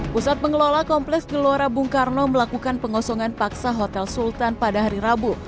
pusat pengelola kompleks gelora bung karno melakukan pengosongan paksa hotel sultan pada hari rabu